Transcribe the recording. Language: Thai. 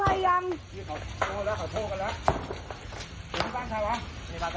อันนี้บ้านใครวะ